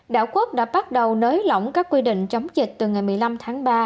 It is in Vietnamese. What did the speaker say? đảo quốc đã bắt đầu nới lỏng các quy định chống dịch từ ngày một mươi năm tháng ba